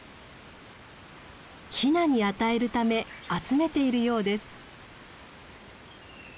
ヒナに与えるため集めているようです。